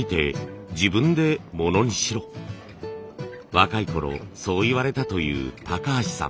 若いころそう言われたという橋さん。